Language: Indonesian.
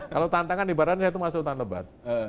kalau tantangan ibaratnya itu masuk hutan lebat